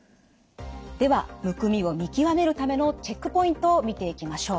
ではむくみを見極めるためのチェックポイントを見ていきましょう。